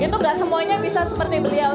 itu nggak semuanya bisa seperti beliau